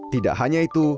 tidak hanya itu